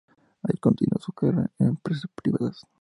Allí continuó su carrera en empresas privadas.